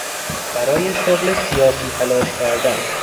برای شغل سیاسی تلاش کردن